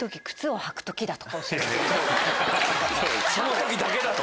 その時だけだと。